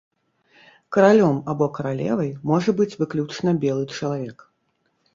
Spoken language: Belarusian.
Каралём або каралевай можа быць выключна белы чалавек.